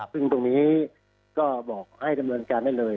ซึ่งตรงนี้ก็บอกให้ดำเนินการได้เลย